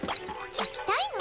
聞きたいの？